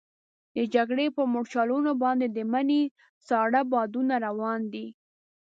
د جګړې پر مورچلونو باندې د مني ساړه بادونه روان دي.